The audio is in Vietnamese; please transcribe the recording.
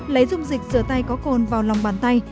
lấy dung dịch rửa tay có cồn vào lòng bàn tay